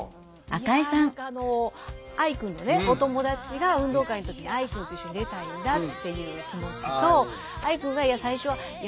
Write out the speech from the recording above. いや何か愛くんのお友達が運動会の時に愛くんと一緒に出たいんだっていう気持ちと愛くんが最初はいや